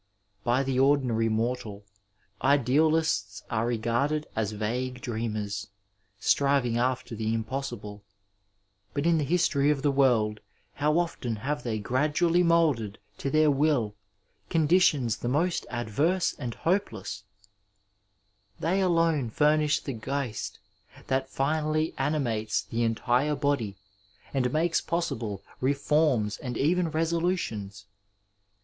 By the ordinaiy mortal, idealists are regarded as vague dreamers, striving after the impossible ; but in the history of the world how often have they gradually moulded to their wiU conditions the most adverse and hopeless I They alone furnish the Qeid that finally animates the entire body and makes possible reforms and even resolu tions.